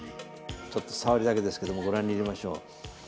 ちょっとさわりだけですけどもご覧に入れましょう。